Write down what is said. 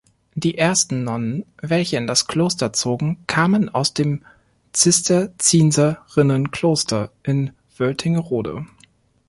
Die ersten Nonnen, welche in das Kloster zogen, kamen aus dem Zisterzienserinnenkloster in Wöltingerode.